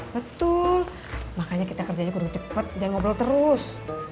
betul makanya kita kerjanya kurang cepet jangan ngobrol terus